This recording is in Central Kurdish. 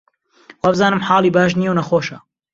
وابزانم حاڵی باش نییە و نەخۆشە